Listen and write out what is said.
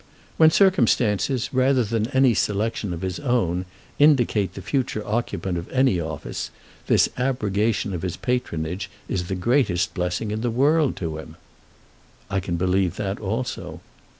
"When circumstances, rather than any selection of his own, indicate the future occupant of any office, this abrogation of his patronage is the greatest blessing in the world to him." "I can believe that also."